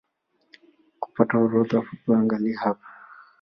Kupata orodha fupi angalia hapa